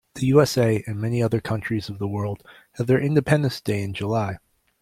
The USA and many other countries of the world have their independence day in July.